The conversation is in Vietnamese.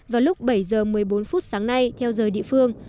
vào lúc bảy giờ một mươi bốn phút sáng nay theo giờ địa phương